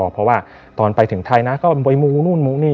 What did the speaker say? เพราะว่าตอนไปถึงไทยนะก็ไปมูนู่นมูนี่